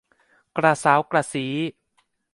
กระเซ้ากระซี้